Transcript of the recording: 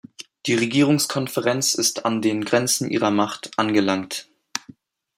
Die Regierungskonferenz ist an den Grenzen ihrer Macht angelangt.